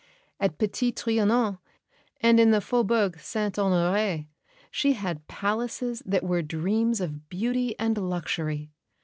At Petit Trianon and in the Faubourg St Honoré, she had palaces that were dreams of beauty and luxury.